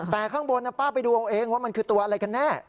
แต่ข้างบนป้าไปดูเอาเองว่ามันคือตัวอะไรกันแน่